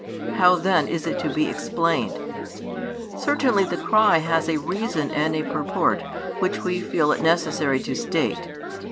How then is it to be explained? Certainly the cry has a reason and a purport, which we feel it necessary to state.